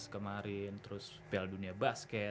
kemarin terus piala dunia basket